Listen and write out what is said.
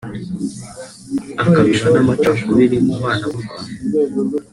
akabiba n’amacakubiri mu bana b’u Rwanda